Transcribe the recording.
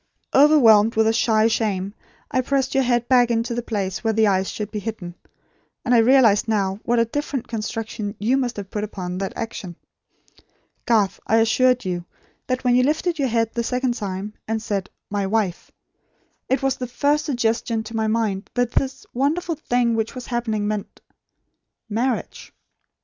Overwhelmed with a shy shame I pressed your head back to the place where the eyes would be hidden; and I realise now what a different construction you must have put upon that action. Garth, I assure you, that when you lifted your head the second time, and said, 'My wife,' it was the first suggestion to my mind that this wonderful thing which was happening meant marriage.